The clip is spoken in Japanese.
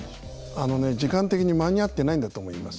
あのね時間的に間に合ってないんだと思います。